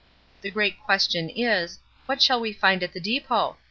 The great question is, What shall we find at the depot?